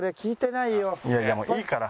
いやいやもういいから。